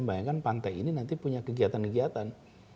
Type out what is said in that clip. bayangkan pantai ini nanti punya kegiatan kegiatan